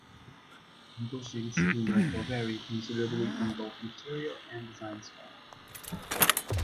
Bushings can therefore vary considerably in both material and design style.